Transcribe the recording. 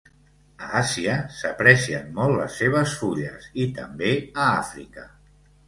A Àsia s'aprecien molt les seves fulles i també a Àfrica.